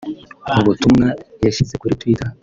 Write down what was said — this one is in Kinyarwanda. Mu butumwa yashyize kuri Twitter